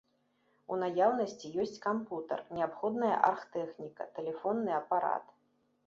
У наяўнасці ёсць кампутар, неабходная аргтэхніка, тэлефонны апарат.